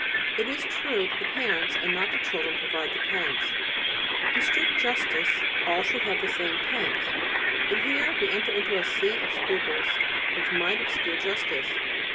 It is true that the parents and not the children provide the pens. In strict justice all should have the same pens, but here we enter into a sea of scruples which might obscure justice.